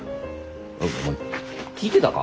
おお前聞いてたか？